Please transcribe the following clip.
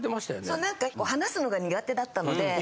そう話すのが苦手だったので。